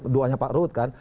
doanya pak ruhut kan